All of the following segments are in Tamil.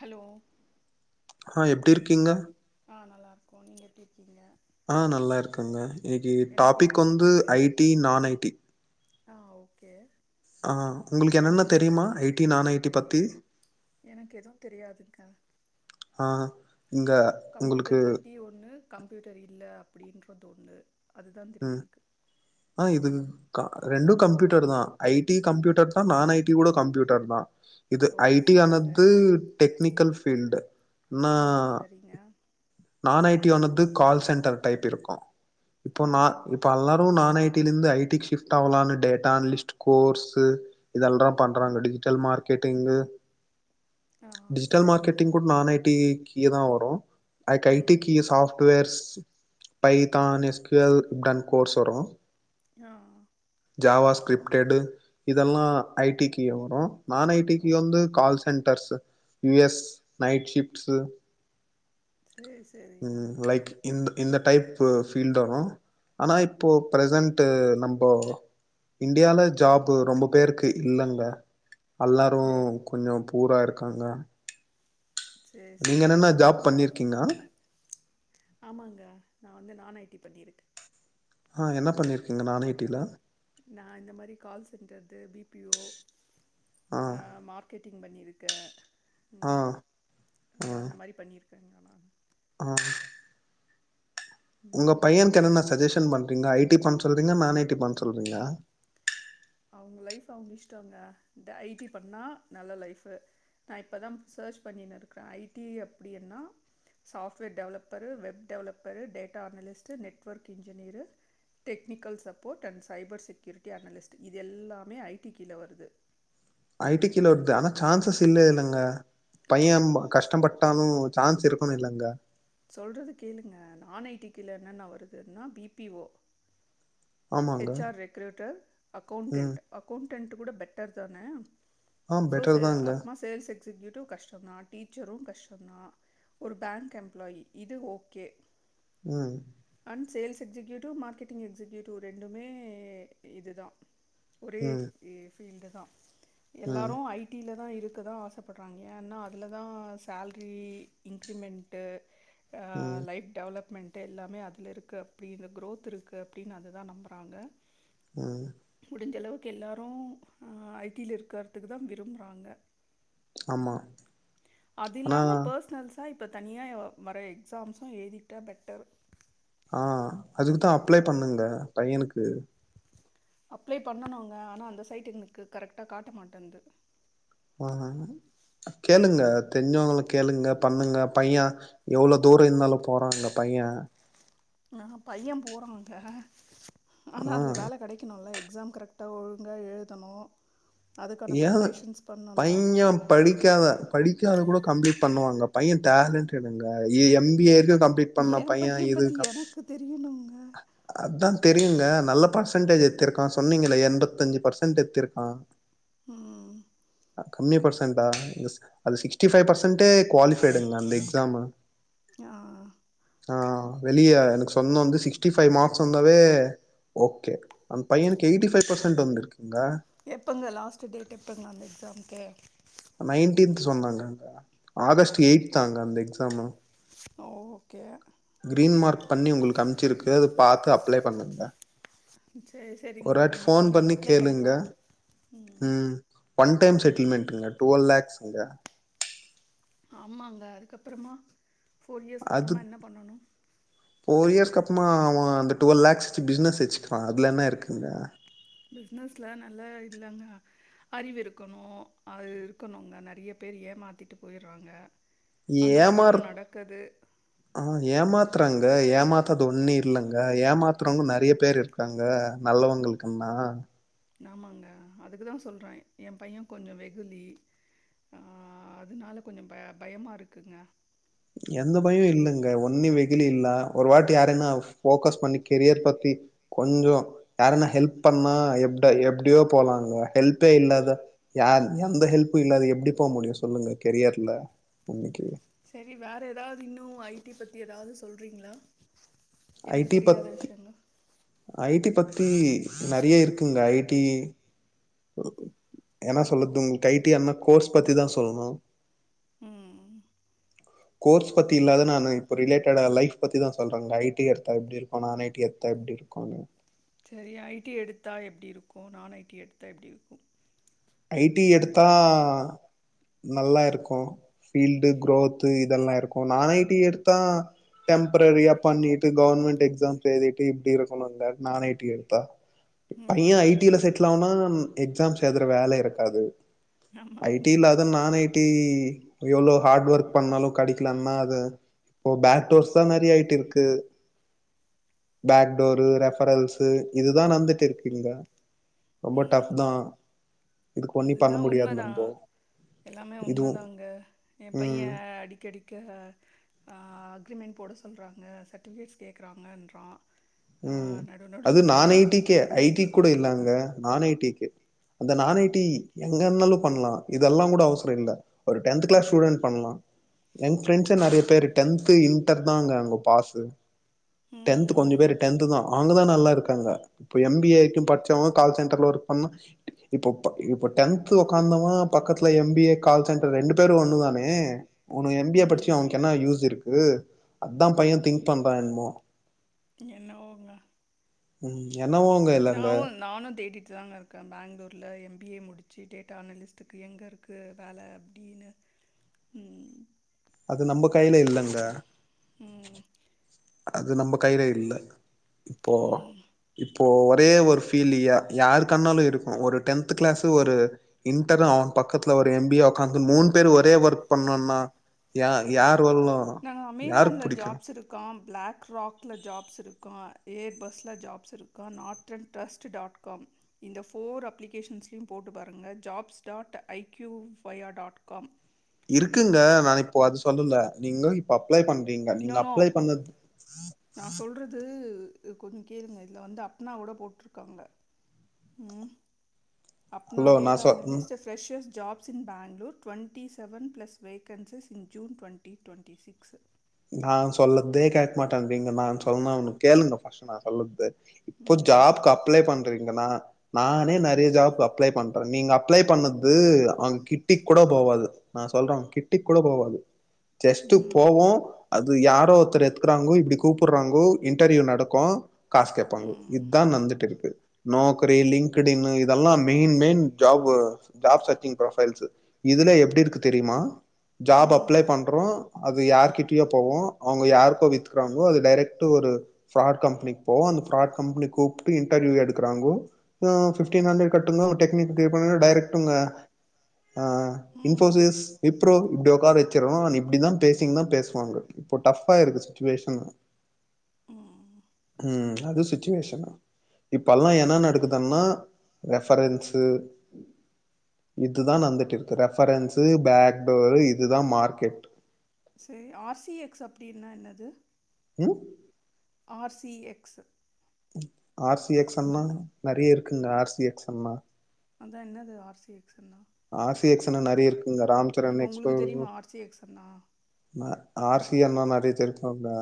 ஹலோ ஆ எப்டி இருக்கீங்க ஆ நல்லார்க்கோ நீங்க எப்டி இருக்கீங்க ஆ நல்லா இருக்குங்க இன்னைகி என்ன டாப்பிக் வந்து படிச்சிருக்கீங்க ஐ டி நான் ஐ டி ஆ ஓகே ஆ உங்குளுக்கு என்னென்ன தெரியுமா எயிட்டி நான் ஐட்டி பத்தி எனக்கு எதுவுந் தெரியாதுங்க்க ஆ இங்க உங்களுக்கு கம்ப்யூட்டர் பத்தி ஒன்னு கம்ப்யூட்டர் இல்ல அப்டின்றது ஒன்னு அதுதாந் தெரியு ம் எனுக்கு ஆ இதுகு க ரெண்டு கம்ப்யூட்டர்தா ஐ டி கம்ப்யூட்டர்தா நான் ஐ டி கூட கம்ப்யூட்டர்தா இது ஓ ஐ டி ஆனது சரி டெக்னிக்கல் ஃபீல்டுனா இங்கா நான் ஐ டி ஆனது கால் சென்ட்டர் டைப்பிருக்கு இப்போ ஆ நா ரிப் இப்போ அல்லோரு நான் ஐ டிலிந்து ஐ டிக் ஷிஃப்ட் ஆவலானு டேட்டா அனிலிஸ்ட்டு கோர்ஸு இதெல்றாப் பண்றாங்க டிஜிடெல் மார்க்கெட்டிங்கு ஆ டிஜிடெல் சரிங்க மார்கெட்டிங் கூட நான் ஐ டி கியதா வரு அக் ஐ ம் டிக்கி சாஃப்ட்வேர்ஸ் பைத்தான் எஸ்க்கு அது டன் கோர்ஸ் வரு ஆ ஜாவா ஸ்கிரிப்டடு இதெல்லா ஐ டிக்கிய வரு நான் ஐ ஓ டிக்கி வந்து call centres U S night shifts சேர் செரி ம் லைக் இந் இந்த டைப்பு ஃபீல்டு வரு ஆனா இப்போ பிரசன்ட்டு நம்போ இன்டியால ஜாபு ரொம்ப பேருக்கு இல்லங்க அல்லாரு சேரி கொஞ்சோ பூரா இருக்காங்க சேரி நீங்க என்னென சேரிங்க ஜாப் பண்ணிர்க்கீங்க ஆமாங்க நா வந்து நான் ஐ டி பண்ணிருக்க ஆ என்ன பண்ணிர்க்கிங்க நான் ஐ டில நா இந்த மாரி கால் சென்ட்டர்து பி பி ஓ ஆ அ மார்க் கெட்டிங் பண்ணிருக்கே ஆ ம் அ ஆ அந்த மாரி பண்ணிருக்கேங்க நா ஆ உங்க ம், பையன்க்கு என்னென்ன சஜஷன் பண்றீங்க ஐ டி பண் சொல்றீங்கா நான் ஐ டி பண் சொல்றீங்கா அவுங்க லைஃப் அவுங்க இஷ்டோங்க த ஐ டி பண்ணா நல்ல லைஃபு நா இப்போதாம் சர்ச் பண்ணினுருக்றே ஐ டி அப்டியென்னா software developer web developer data analyst network engineer technical support and cyber security analyst இது எல்லாமே ஐ டி கிழ வருது ஐ டி கிழ வருது ஆனா சான்சஸ் இல்லே இல்லங்க பையம் கஷ்டம்பட்டாலு சான்ஸ் இருக்குனு இல்லங்க சொல்றது கேளுங்க நான் ஐ டி கீழ என்னென்ன வருதுன்னா பி பி ஓ ஆமாங்க ஹச் ஆர் ரெகரேட்டர் ம் அக்கௌண்டெண்ட் அக்கௌண்டெண்ட் கூட பெட்டர் தான ஆ சோஸ்சு பெட்டர் தாங்க அடமாஸ் சேல்ஸ் எக்ஸிகயூட்டிவ் கஷ்டோ தா டீச்சரு கஷ்டோ தா‌ ஒரு பேங்க் எம் ப்பிலாயி இது ஓகே ம் and sales executive marketing executive ரெண்டுமே இது தா ஒரே ம் இ ஃபீல்டு தா ம் எல்லாரு ஐ டில தா இருக்கதா ஆசப்படுறாங்க ஏன்னா அதுல தா சேல்ரி இன்கிரிமெண்ட் டு ஆ ம் லைஃப் டெவலப்மெண்ட்டு எல்லாமே அதுல இருக்கு அப்டி இந்த க்ரோத் இருக்கு அப்டின்னு அததா நம்பறாங்க ம் முடிஞ்ச அளவுக்கு எல்லாரு ஐ டியில இருக்கறதுக்கு தா விரும்பறாங்க ஆமா அது ஆனா இல்லாம பர்சனல்ஸா இப்ப தனியா வர எக்ஸாமஸ்ஸு எழுதிட்டா பெட்டர் ஆ அதுக்கு தா அப்ளே பண்ணுங்க பையனுக்கு அப்ளை பண்ணனுங்க ஆனா அந்த சைட்டு எங்களுக்கு கரெக்டா காட்ட மாட்டன்து ஆ கேளுங்க தெரிஞ்சவுங்கள கேளுங்க பண்ணுங்க பைய எவ்ளோ தூரோ இருந்தாலு போறாங்க பைய ஆ பையன் போறாங்க ஆனா ஆ அதுல வேல கெடை க்கனுல எக்ஸாம் கரெக்டா ஒழுங்கா எழுதணு அதுக்கான ஏ ப்ரிப்ரேஷன்ஸ் பண்ணணு பைய படிக்காத படிக்காத கூட கம்ப்ளீட் பண்ணுவாங்க பைய டேலண்டடுங்க இ எ பி ஏ இருக் கம்ப்ளீட் பண்ண ஏ பைய இது பத்தி க எனக்கு தெரியணுங்க அதா தெரியுங்க நல்ல பர்சன்டேஜ் எத்திருக்கா சொன்னீங்களே என்பத்தஞ்சு பர்சன்ட்டு எடுத்திருக்கா ம் கம்மி பர்சென்டா [unintelligible] அது சிக்ஸ்டி ஃபைவ் பர்சன்ட்டே குவாலிஃபைடுங்ளா அந்த எக்ஸாமு ஆ ஆ வெளிய எனக்கு சொன்ன வந்து சிக்ஸ்டி ஃபைவ் மார்க்ஸ் வந்தாவே ஓகே அந்த பையனுக்கு எயிட்டி ஃபைவ் பர்சன்ட் வந்துருக்குங்க எப்பங்க லாஸ்ட்டு டேட்டு எப்பங்க அந்த எக்ஸாம்க்கு நைன்டீன் சொன்னாங்க ஆகஸ்ட்டு எயித்தாங்க அந்த எக்ஸாமு ஓகே கிரீன் மார்க் பண்ணி உங்களுக்கு அம்ச்சுருக்க அத பாத்து அப்ளை பண்ணுங்க சேரி சேரிங்க ஒரு வாட்டி கண்டிப்பா ஃபோன் நாங்க பண்ணி அப்ளை கேளுங்க பண்றோ ம் அ ஒன் டைம் செட்டில்மெண்ட்டுங்க டுவல் லேக்ஸுங்க ஆமாங்க அதுக்கப்புறமா ஃபோர் இயர்ஸ்க் அது அப்புறமா என்ன பண்ணணு ஃபோர் இயர்ஸ்கு அப்புறமா அவ அந்த டுவல் லேக்ஸ் வச்சு பிஸ்னஸ் வச்சக்கிளா அதுல என்ன இருக்குங்க பிஸ்னஸ்ல நல்ல இதுதாங்க அறிவு இருக்கணு அது இருக்கணுங்க நறைய பேர் ஏமாத்திட்டு போயிறாங்க ஏமாறு ஆ ஏமாத்துறாங்க ஏமாத்துறது ஒன்னு இல்லங்க ஏமாத்துறவங்க நறைய பேரு இருக் காங்க நல்லவுங்களுக்குனா ஆமாங்க அதுக்கு தா சொல்ற எ பைய கொஞ்சோ வெகுலி ஆ அதனால கொஞ்சோ ப பயமா இருக்குங்க எந்த பயு இல்லங்க ஒன்னி வெகுலி இல்ல ஒருவாட்டி யாரு என்னா ஃபோக்கஸ் பண்ணிக் கெரியர் பத்தி கொஞ்சோ யாருன்னா ஹெல்ப் பண்ணா எப்ப எப்டியோ போலாங்க ஹெல்பே இல்லாத யார் எந்த ஹெல்பு இல்லாத எப்டி போ முடியு சொல்லுங்க கெரியர்ல இன்னேக்கு சேரி வேற ஏதாவது இன்னும் ஐ டீ பத்தி ஏதாவது சொல்றிங்களா ஐ டீ பத்தி ஐ டீ பத்தி நிறைய இருக்குங்க ஐ டீ என்ன சொல்லறது உங்களுக்கு ஐ டீய தண்ணா கோர்ஸ் பத்தி தா சொல்லணு ம் கோர்ஸ் பத்தி இல்லாத நா இப்போ ரிலேட்டடா லைஃப் பத்தி தா சொல்றேங்க ஐ டீ எடுத்த எப்டி இருக்கும் ஐ டீ எப்டி இருக்குனு சேரி ஐ டீ எடுத்தா எப்டி இருக்கு நான் ஐ டீ எடுத்தா எப்டி இருக்கு ஐ டீ எடுத்தா நல்லா இருக்கு ஃபீல்டு குரோத்து இதெல்லா இருக்கு நான் ஐ டீ எடுத்த டெம்ப்ரரியா பண்ணிட்டு கவர்ன்மெண்ட் எக்ஸா எழுதிட்டு இப்படி இருக்கணும்ங்க நா ஐ டி எடுத்தா ம் பையன் ஐ டீல செட்டில் ஆகனா எக்ஸாம்ஸ் எழுதுற வேலை இருக்காது ஐ ஆமாம் டீலா அத நான் ஐ டி எவ்வளோ ஹார்ட் ஒர்க் பண்ணாலு கேடைக்கலனா அது இப்ப பேட்டோர்ஸ் தான் நெறய ஆயிட்டு இருக்கு பேக்டோரு ரெஃபரல்ஸ்ஸு இதுதா நடந்துட்டு இருக்கு இங்க ரொம்ப டஃப் தா இதுக்கு ஒன்னி பண்ண அதுதா முடியாது உண்மைதா நம்போ எல்லாமே இதுவு உண்மைதான்ங்க என் ம் பையன் அடிக்கடி க அக்ரிமெண்ட் போட சொல்றாங்க சர்ட்டிபிகேட்ஸ் கேட்கறாங்கன்றா ம் அது நா விட்டுட்டு ஐடிக்கே ஐ டி வந்துடுறான் கூட இல்லே அங்க நான் ஐ டிக்கு அந்த நா ஐ டி எங்க இருந்தாலு பண்லா இதெல்லா கூட அவசரம் இல்ல ஒரு டென்த் கிளாஸ் ஸ்டூடெட் பண்ணலா எங்க் ஃப்ரெண்ட்ஸ நெறய பேரு டென்து இன்டர் தான்ங்க அங்க பாஸு ம் டென்த் கொஞ்சோ ம் பேர் டென்த்து தா அவங்க தா நல்லா இருக்காங்க இப்ப எம் பி ஏக்கு படிச்சவங்க கால் சென்டர்ல ஒர்க் பண்ண இப்ப ப டென்த் உக்கார்ந்தவங்க பக்கத்துல M B A call centre ரெண்டு பேரு ஒண்ணு தானே அவன் எம் பி ஏ படிச்சு ம் அவனுக்கு என்ன யூஸ் இருக்கு அதா பையன் திங்க் பண்றான் என்னமோ என்னவோங்க ம் என்னவோங்க இல்லங்க. நாவும் நானு தேடிட்டு தாங்க இருக் பெங்களூரில எம்பிஏ முடிச்சு டேட்டா அனலிஸ்ட்டுக்கு எங்கே இருக்கு வேலை அப்டின்னு ம் அது நம்ம கைல இல்லங்க ம் அது நம்ம கையிலே இல்ல இப்போ ம் இப்போ ஒரே ஒரு ஃபீல்யா யாருக்கண்ணாலு இருக்கு ஒரு டென்த் கிளாஸ் ஒரு இன்டரு அவன் பக்கத்துல ஒரு எம் பி உக்காந்து மூணு பேரு ஒரே ஒர்க் பண்ணும்னா யா யார் வருணு யாருக்கு பிடிக்கு காம் பிளாக் ராக்ல ஜாப்ஸ் இருக்கு ஏர் பஸ்ல ஜாப்ஸ் இருக்கு Northern trust dot com இந்த ஃபோர் அப்ளிகேஷன்ஸ்லயையு போட்டு பாருங்க ஜாப்ஸ் டாட் ஐகியூ வயா டாட் காம் இருக்குங்க நா இப்போ அத சொல்லல நீங்க இப்ப அப்ளை பண்றீங்க நீங்க அப்ளை பண்ணது நா சொல்றது கொஞ்சோ கேளுங்க இதுல வந்து அப்னா கூட போட்டுருக்காங்க ம் அப்னா ஹலோ நா டேட்டா சொ அன் ம் listed freshers jobs in Bangalore twenty seven plus vacancies in June twenty twenty six நா சொல்லதே கேட்க மாட்டேன்றீங்க நா சொன்ன அவன்க்கு கேளுங்க ஃபஸ்ட்டு நா சொல்றது இப்போ ம் ஜாப்கு அப்ளே பண்றீங்கன்னா நானே நறைய ஜாப்க்கு அப்ளே பண்றே அப்போ நீங்க அப்ளே பண்ணது அவுங்க கிட் கிட்டி கூட போவாது நா சொல்றே கிட்டி கூட போவாது ஜஸ்ட்டு ம் போவோ அது யாரோ ஒருத்தர் எத்துக்குறாங்கோ இப்டி கூப்புட்றாங்கோ இன்டர்வியூ நடக்கு காசு கேப்பாங்கோ ம் இதா நடந்துட்டுருக்கு நாக்ரி லிங்க்டின் இதெல்லா main main job job searching profiles இதுல எப்டி இருக்கு தெரியுமா ஜாப் அப்ளை ம் பண்றோ அது யார்கிட்ட [unintelligible] போவோ அவங்க யாருக்கோ வித்துக்குறாங்ளோ அது டேரெக்ட் ஒரு ஃப்ராட் கம்பெனிக்கு போகு அந்த ஃப்ராட் கம்பனி கூப்ட்டு இன்டர்வியூ எடுக்குறாங்க இப்போ பிஃப்டீன் ஹண்ரட் கட்டுங்கோ டெக்னிக்குபே பண்ணுங்கோ டேரெக்ட் டுங் அ ம் இன்ஃபோசிஸ் விப்ரோ இப்டி உக்கார வக்கிரோ நீ இப்டிதா பேசிங்னா பேசுவாங்க இப்போ டஃபா ஆயிருக்கு சுச்சுவேஷன் ம் ம் அது சுச்சுவேஷனு இப்பெல்லா என்ன நடக்குதுன்னா ரெஃபரென்ஸு இதுதா நடந்துட்ருக்கு ரெஃபரன்ஸு பேக்டோரு இதுதா மார்க்கெட் சைரி ஆர் சி எக்ஸ் அப்டின்னா என்னது ம் R C X R C X ஸண்ணா நெறைய இருக்குங்க ஆர் சி எக்ஸண்ணா அதா என்னது ஆர் சி எக்ஸூ னா ஆர் சி எக்ஸ்ஸூ னா நறைய இருக்குங்க ரா இப்போ உங்ளுக்கு தெரியுமா ஆர் சி எக்ஸூ ண்ணா நா ஆர் சி என் ன்னா நறைய தெரிஞ்சிருக்கு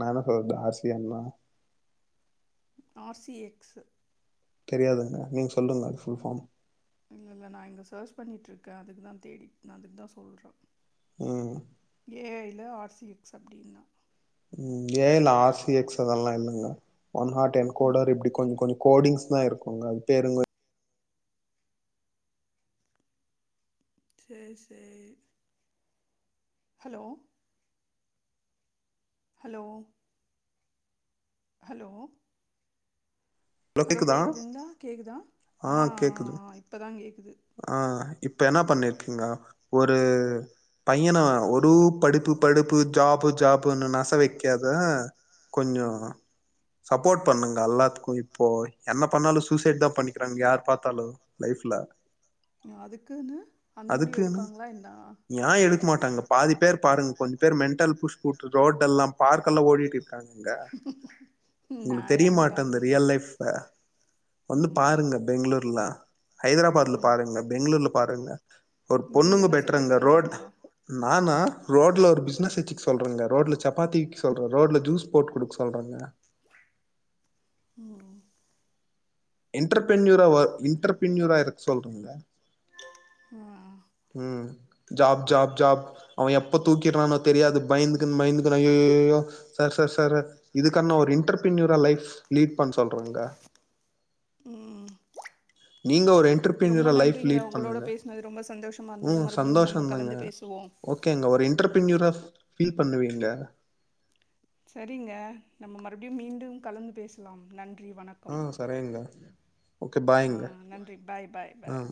நா என்ன சொல்றது ஆர் சி என்ன்னா ஆர் சி எக்ஸ்ஸூ தெரியாதுங்க நீங்க சொல்லுங்க அதுக்கு ஃபுல் ஃபார்ம் இல்ல இல்ல நா இங்க சேர்ச் பண்ணிட்ருக்கே அதுக்கு தேடி நா அதுக்தா சொல்றே ம் ஏ ஐ ல ஆர் சி எக்ஸ் அப்டின்னா ம் ஏ ஜ ல ஆர்சி எக்ஸ் அதெல்லா இல்லங்க ஒன் ஹாட் என் ம் கோடர் இப்டி கொஞ்சோ கொஞ்சோ கோடிங்ஸ்தா இருக்குங்க அது பைருங்கோ சேரி சேரி ஹலோ ஹலோ ஹலோ ஹலோ கேக்குதுங்லா கேக்குதா ஆ ஆ இப்போதா கேக்குது ஆ இப்ப என்ன பண்ணிருக்கீங்க ஒரு பையன ஒரு படுப்பு படுப்பு ஜாப்பு ஜாப்புன்னு நச வைக்காத கொஞ்சோ சப்போர்ட் பண்ணுங்க எல்லாத்துக்கு இப்போ என்ன பண்ணாலுசூசைட்தா பண்ணிக்கிறாங்க யார் பாத்தாலு லைஃப்ல அதுக்குன்னு அந்த முடிவு அதுக்குன்னு எடுப்பாங்ளா என்னா ஏ எடுக்க மாட்டாங்க பாதி பேர் பாருங்க கொஞ்சோ பேர் மென்டல் புட்ச்சு புட்டு ரோட எல்லா பார்க்கல்லா ஓடிட் ட்ருக்காங்க நா உங்ளுக்கு தெரிய யாருமே மாட்டேது இந்த பாத்ததில்ல ரியல் லைஃப் வந்து ம் பாருங்க பெங்ளூர்ல ஹைதராபாத்ல ம் பாருங்க பெங்ளூர்ல பாருங்க ஒரு நீங்க பொண்ணுங்க என்ன சஜஸ்ட் போய்ட்ருந்த ரோட் பண்றீங்க நானா ரோட்ல ஒரு பிஸ்னஸ் வெச்சுக் சொல்றேங்க ரோட்ல சப்பாத்தி சொல்றே ரோட்ல ஜூஸ் போட்டு குடுக்க சொல்றேங்க ம் இன்டர்பென்யூராவா இன்டர்பென்யூரா இருக்க சொல்றங் ஆ ஆ உம் ஜாப் ஜாப் ஜாப் அவன் எப்ப தூக்கிறானோ தெரியாது பயந்துக்குன் பயந்துகுன் ஐய்ஐய்யய்யோ சார் சார் சாரு இதுக்கான ஒரு இன்டர்பினியூரா லைஃப்ஸ் லீட் பண்ண சொல்றங்க ம் நீங்க ஒரு என் ரொம்ப நன்றிங்க உங்ளோட பேசினது ரொம்ப சந்தோஷமா ம் இருந்தது மறுபடியு நம்ப சந்தோஷந்தாங்க. கலந்து பேசுவோ ஓகேங்க ஒரு என்டர்பன்யூரா பீல் பண்ணுவீங்க சரிங்க நம்ம மறுபடியு மீண்டும் கலந்து பேசலா நன்றி வணக் ஆ சரிங்க ஓகே ஆ பாய்ங்க. நன்றி பாய் பாய் பாய் ஆ.